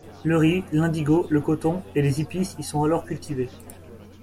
Le riz, l'indigo, le coton et les épices y sont alors cultivés.